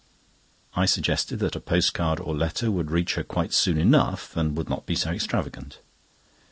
I suggested that a post card or letter would reach her quite soon enough, and would not be so extravagant.